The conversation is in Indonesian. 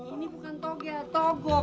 ini bukan toge togok